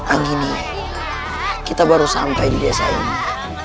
angini kita baru sampai di desa ini